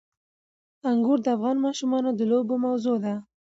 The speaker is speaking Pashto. انګور د افغان ماشومانو د لوبو موضوع ده.